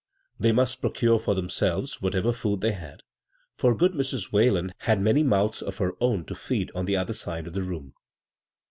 They must procure for themselves whatever food they had, for good Mrs. Whalen had many mouths of her own to feed on the other ^de of the room.